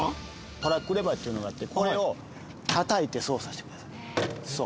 トラックレバーっていうのがあって、これをたたいて操作してください。